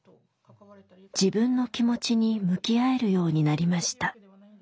自分の気持ちに向き合えるようになりました。